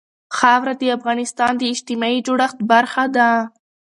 خاوره د افغانستان د اجتماعي جوړښت برخه ده.